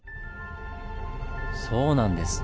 そうなんです。